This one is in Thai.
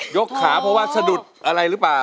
กขาเพราะว่าสะดุดอะไรหรือเปล่า